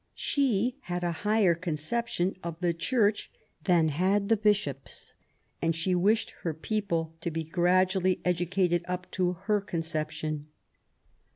She had a higher conception of the Church than had the Bishops, and she wished her people to be gradually educated up to her conception.